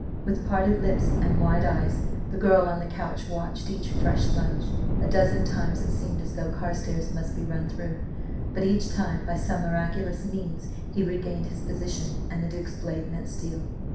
With parted lips and wide eyes, the girl on the couch watched each fresh lunge. A dozen times it seemed as though Carstares must be run through, but each time, by some miraculous means, he regained his opposition, and the Duke's blade met steel.